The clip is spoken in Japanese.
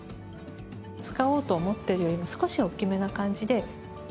使おうと思ってるよりも少しおっきめな感じで。